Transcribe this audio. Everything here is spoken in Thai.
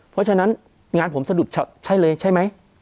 เพราะฉะนั้นงานผมสะดุดใช่เลยใช่ไหม